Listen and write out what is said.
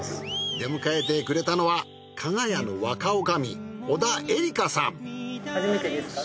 出迎えてくれたのは加賀屋の初めてですか？